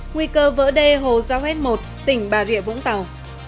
nguy cơ vỡ đê hồ giao hết một tỉnh bà rịa vũng tàu